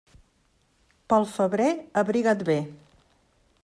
Pel febrer abriga't bé.